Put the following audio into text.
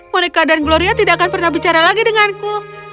monika dan gloria tidak akan pernah bicara lagi denganku